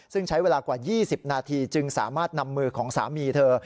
ซึ่งใช้เวลากว่า๒๐นาทีจึงสามารถนำมือของสามีเธอ